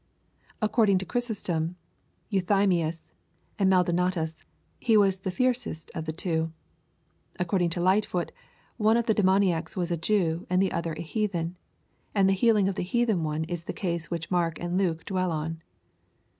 According to Chrysostom, Euthjrmius, and Maldonatus, he was the fiercest of the two. According to Lightfoot, one of the demoniacs was a Jew and the other a heathen, and the heal ing of the heathen one is the case which Mark and Luke dwell on.